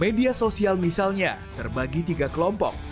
media sosial misalnya terbagi tiga kelompok